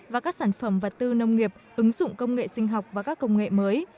và các sản phẩm vật tư nông nghiệp ứng dụng công nghệ sinh học và các công nghệ mới